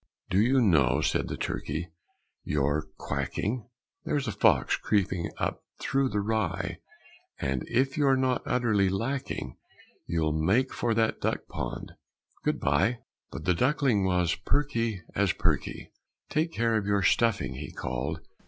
"Do you know," said the turkey, "you're quacking! There's a fox creeping up thro' the rye; And, if you're not utterly lacking, You'll make for that duck pond. Good bye!" But the duckling was perky as perky. "Take care of your stuffing!" he called.